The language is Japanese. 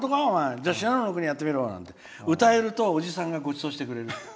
じゃあ、「信濃の国」やってみろって歌えるとおじさんがごちそうしてくれる。